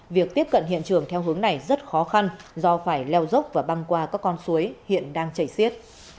việc tiếp cận hiện trường theo hướng này rất khó khăn do phải leo dốc và băng qua các con suối hiện đang chảy xiết